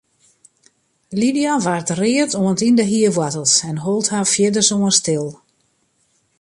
Lydia waard read oant yn de hierwoartels en hold har fierdersoan stil.